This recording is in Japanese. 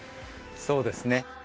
そうですね。